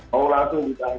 kalau langsung dibahas lagi